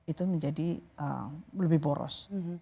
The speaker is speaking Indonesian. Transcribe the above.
itu menjadi lebih boros